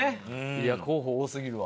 いや候補多すぎるわ。